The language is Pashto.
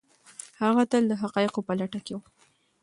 هغه تل د حقایقو په لټه کي و.